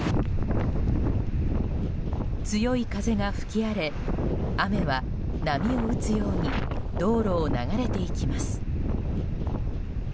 強い風が吹き荒れ雨は波を打つように道路を流れていきます。